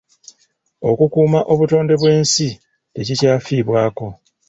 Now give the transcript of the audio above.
Okukuuma obutonde bw'ensi tekikyafiibwako.